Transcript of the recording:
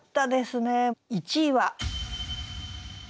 １位は。